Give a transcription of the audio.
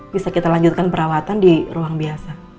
bisa kita lanjutkan perawatan di ruang biasa